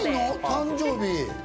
誕生日。